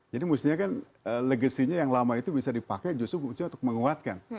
jadi mestinya kan legasinya yang lama itu bisa dipakai justru untuk menguatkan